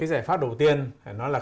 cái giải pháp đầu tiên phải nói là